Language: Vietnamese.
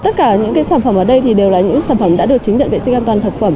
tất cả những sản phẩm ở đây thì đều là những sản phẩm đã được chứng nhận vệ sinh an toàn thực phẩm